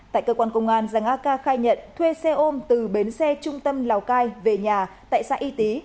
tại cơ quan công an giàng a ca khai nhận thuê xe ôm từ bến xe trung tâm lào cai về nhà tại xã y tý